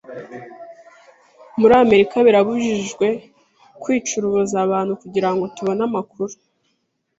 Muri Amerika, birabujijwe kwica urubozo abantu kugirango tubone amakuru.